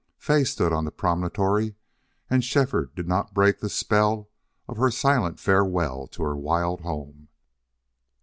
Fay stood on the promontory, and Shefford did not break the spell of her silent farewell to her wild home.